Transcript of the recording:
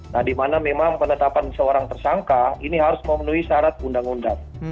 nah di mana memang penetapan seorang tersangka ini harus memenuhi syarat undang undang